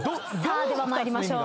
では参りましょう。